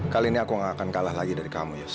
kali ini aku gak akan kalah lagi dari kamu ya